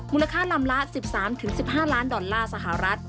ลำละ๑๓๑๕ล้านดอลลาร์สหรัฐ